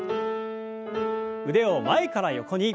腕を前から横に。